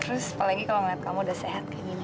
terus apalagi kalau ngeliat kamu udah sehat kayak gini